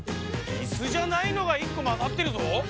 イスじゃないのがいっこまざってるぞ。